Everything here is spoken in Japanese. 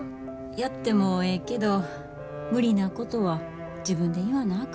やってもええけど無理なことは自分で言わなあかんよ。